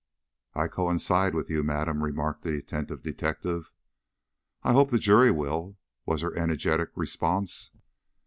"I coincide with you, madam," remarked the attentive detective. "I hope the jury will," was her energetic response.